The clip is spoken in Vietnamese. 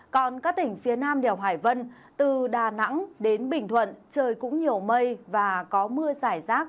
còn các tỉnh phía nam đèo hải vân từ đà nẵng đến bình thuận trời cũng nhiều mây và có mưa giải rác